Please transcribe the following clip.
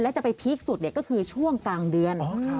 จะไปพีคสุดก็คือช่วงกลางเดือน